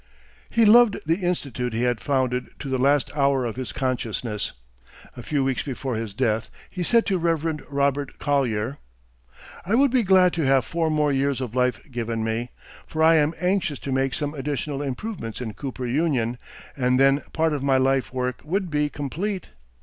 He loved the Institute he had founded to the last hour of his consciousness. A few weeks before his death he said to Reverend Robert Collyer: "I would be glad to have four more years of life given me, for I am anxious to make some additional improvements in Cooper Union, and then part of my life work would be complete.